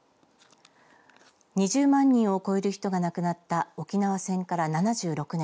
２０万人を超える人が亡くなった沖縄戦から７６年。